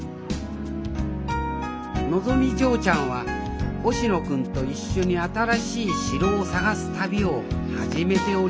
のぞみ嬢ちゃんは星野君と一緒に新しい城を探す旅を始めておりました